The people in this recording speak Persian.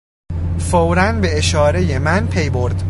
فورا به اشارهی من پی برد.